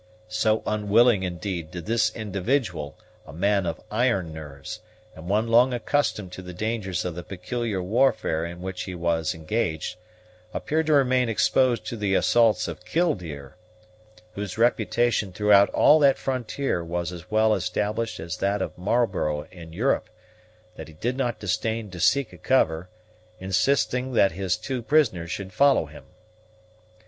So unwilling, indeed, did this individual, a man of iron nerves, and one long accustomed to the dangers of the peculiar warfare in which he was engaged, appear to remain exposed to the assaults of Killdeer, whose reputation throughout all that frontier was as well established as that of Marlborough in Europe, that he did not disdain to seek a cover, insisting that his two prisoners should follow him.